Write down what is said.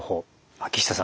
秋下さん